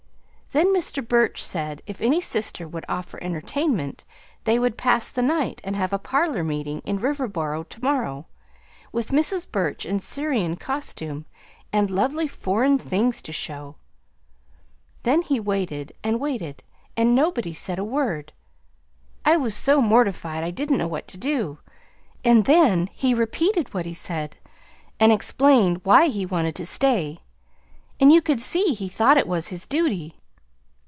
Then Mr. Burch said, if any sister would offer entertainment, they would pass the night, and have a parlor meeting in Riverboro to morrow, with Mrs. Burch in Syrian costume, and lovely foreign things to show. Then he waited and waited, and nobody said a word. I was so mortified I didn't know what to do. And then he repeated what he said, an explained why he wanted to stay, and you could see he thought it was his duty.